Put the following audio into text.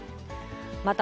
また、